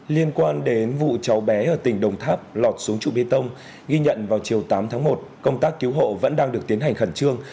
liên quan đến vụ cháu bé ở tỉnh đồng tháp lọt xuống trụ bê tông ghi nhận vào chiều tám tháng một công tác cứu hộ vẫn đang được tiến hành khẩn trương